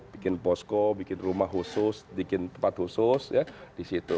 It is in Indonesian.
bikin posko bikin rumah khusus bikin tempat khusus ya di situ